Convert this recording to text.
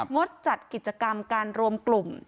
งดจัดกิจกรรมการรวมกลุ่ม